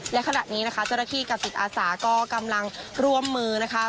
และขณะนี้นะคะเจ้าหน้าที่กับจิตอาสาก็กำลังร่วมมือนะคะ